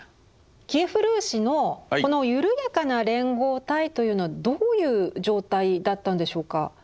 キエフ・ルーシのこの緩やかな連合体というのはどういう状態だったんでしょうか？